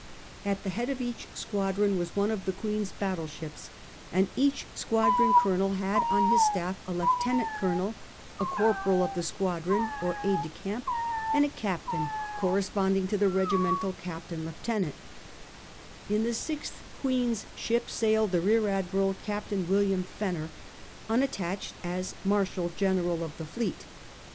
At the head of each squadron was one of the Queen's battle ships, and each squadron colonel had on his staff a lieutenant colonel, a "corporal of the squadron" or aide de camp, and a captain corresponding to the regi mental captain Keutenant In the sixth Queen's ship sailed the rear admiral Captain William Fenner un attached, as " marshal general of the fleet."